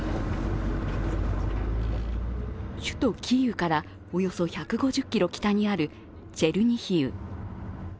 首都キーウから、およそ１５０ｋｍ北にあるチェルニヒウ。